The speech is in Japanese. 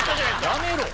やめろ。